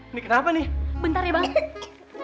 ini kenapa nih bentarnya banget